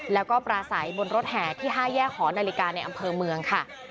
แล้วก็ปราศัยบนรถแห่ที่๕แยกหอนาฬิกาในอำเภอเมืองค่ะ